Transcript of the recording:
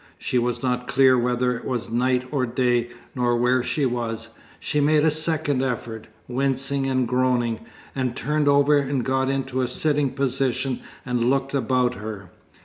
She was not clear whether it was night or day nor where she was; she made a second effort, wincing and groaning, and turned over and got into a sitting position and looked about her.